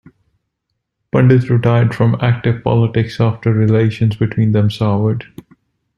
Pandit retired from active politics after relations between them soured.